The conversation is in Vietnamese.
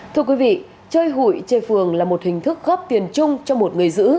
thưa quý vị chơi hủy chê phường là một hình thức góp tiền chung cho một người giữ